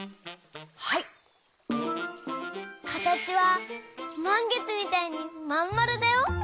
かたちはまんげつみたいにまんまるだよ。